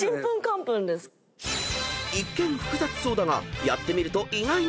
［一見複雑そうだがやってみると意外に楽しい］